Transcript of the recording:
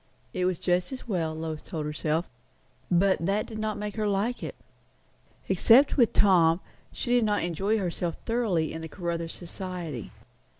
It was just as well, Lois told herself; but that did not make her like it. Except with Tom, he did not enjoy herself thoroughly in the Caruthers society.